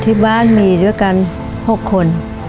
ที่บ้านมีด้วยกัน๖คน